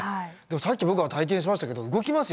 さっき僕は体験しましたけど動きますよ